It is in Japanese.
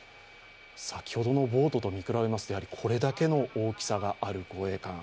先ほどのボートと比べますとやはりこれだけの大きさがある護衛艦